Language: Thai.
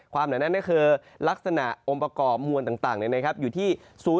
ความหนาแน่นนี่คือลักษณะอมประกอบมวลต่างอยู่ที่